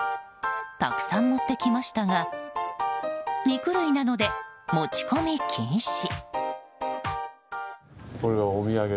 たくさん持ってきましたが肉類なので持ち込み禁止。